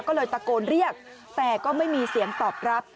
ก็เลยตะโกนเรียกแต่ก็ไม่มีเสียงตอบรับ